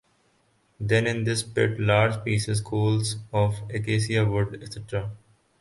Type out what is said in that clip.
Then in this pit large pieces (coals) of acacia wood etc.